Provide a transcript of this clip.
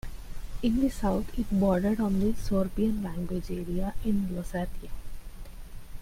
In the south it bordered on the Sorbian language area in Lusatia.